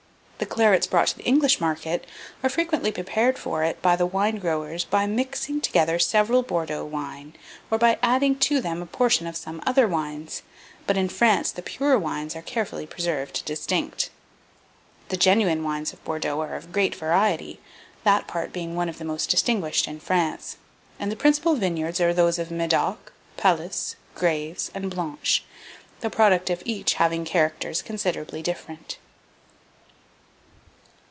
The clarets brought to the English market are frequently prepared for it by the wine growers by mixing together several Bordeaux wines, or by adding to them a portion of some other wines; but in France the pure wines are carefully preserved distinct. The genuine wines of Bordeaux are of great variety, that part being one of the most distinguished in France; and the principal vineyards are those of Medoc, Palus, Graves, and Blanche, the product of each having characters considerably different.